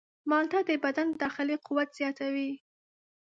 مالټه د بدن داخلي قوت زیاتوي.